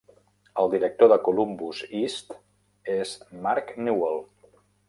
El director de Columbus East és Mark Newell.